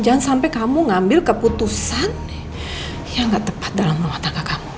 jangan sampai kamu ngambil keputusan yang gak tepat dalam rumah tangga